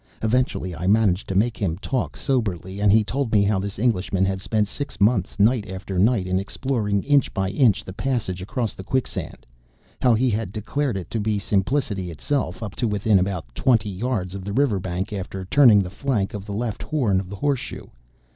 Eventually I managed to make him talk soberly, and he told me how this Englishman had spent six months night after night in exploring, inch by inch, the passage across the quicksand; how he had declared it to be simplicity itself up to within about twenty yards of the river bank after turning the flank of the left horn of the horseshoe.